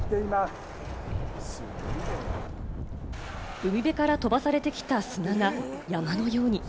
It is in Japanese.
海辺から飛ばされてきた砂が山のように。